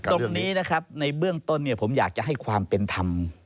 ตรงนี้นะครับในเบื้องต้นผมอยากจะให้ความเป็นธรรม